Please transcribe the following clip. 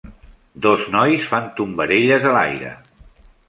Dos nois fan tombarelles a l'aire.